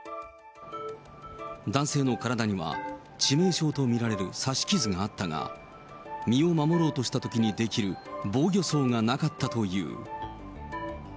男性の体には、致命傷と見られる刺し傷があったが、身を守ろうとしたときに出来る防御創がなかったという。